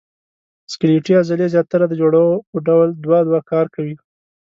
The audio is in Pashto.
سکلیټي عضلې زیاتره د جوړو په ډول دوه دوه کار کوي.